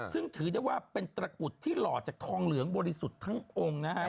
ซึ่งถือได้ว่าเป็นตระกุดที่หล่อจากทองเหลืองบริสุทธิ์ทั้งองค์นะฮะ